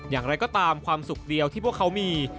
อย่างไรก็ตามความสุขเดียวที่พวกเขามี